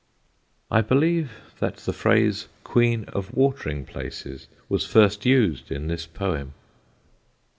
I believe that the phrase "Queen of Watering Places" was first used in this poem.